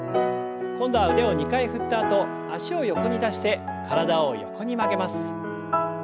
今度は腕を２回振ったあと脚を横に出して体を横に曲げます。